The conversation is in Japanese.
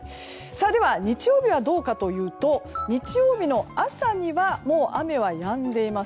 では日曜日はどうかというと日曜日の朝になるともう雨はやんでいます。